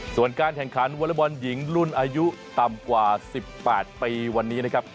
ส่วนการแข่งขันวอเล็กบอลหญิงรุ่นอายุต่ำกว่า๑๘ปีวันนี้นะครับ